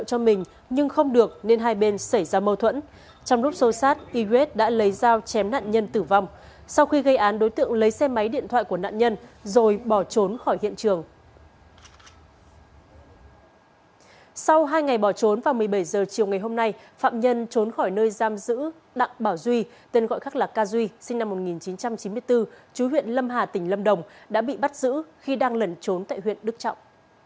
sau hai ngày bỏ trốn vào một mươi bảy h chiều ngày hôm nay phạm nhân trốn khỏi nơi giam giữ đặng bảo duy tên gọi khác là ca duy sinh năm một nghìn chín trăm chín mươi bốn chú huyện lâm hà tỉnh lâm đồng đã bị bắt giữ khi đang lẩn trốn tại huyện đức trọng